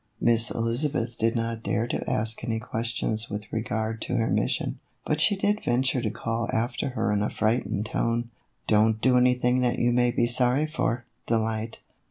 Miss Elizabeth did not dare to ask any questions with regard to her mission, but she did venture to call after her in a frightened tone, " Don't do any thing that you may be sorry for, Delight."